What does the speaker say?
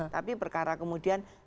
tapi perkara kemudian